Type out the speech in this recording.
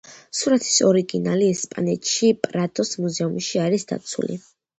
სურათის ორიგინალი ესპანეთში პრადოს მუზეუმში არის დაცული.